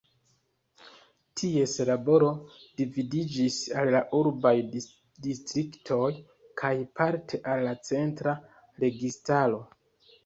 Ties laboro dividiĝis al la urbaj distriktoj kaj parte al la centra registaro.